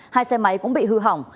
hai xe máy cũng bị hư hỏng